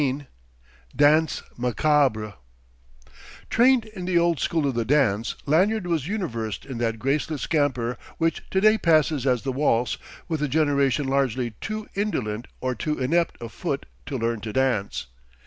XVIII DANSE MACABRE Trained in the old school of the dance, Lanyard was unversed in that graceless scamper which to day passes as the waltz with a generation largely too indolent or too inept of foot to learn to dance.